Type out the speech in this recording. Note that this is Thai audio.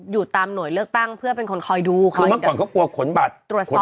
อยู่ตามหน่วยเลือกตั้งเพื่อเป็นคนคอยดูค่ะคือเมื่อก่อนเขากลัวขนบัตรตรวจสอบ